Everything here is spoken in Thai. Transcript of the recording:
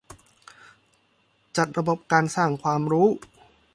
จัดระบบการสร้างความรู้